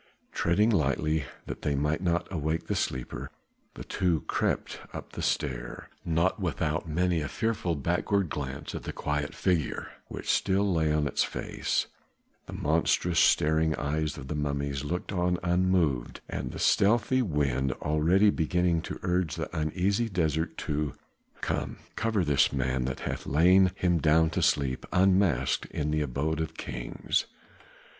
Treading lightly that they might not awake the sleeper, the two crept up the stair, not without many a fearful backward glance at the quiet figure which still lay on its face, the monstrous staring eyes of the mummies looking on unmoved, and the stealthy wind already beginning to urge the uneasy desert to "Come, cover this man that hath lain him down to sleep unasked in the abode of kings!"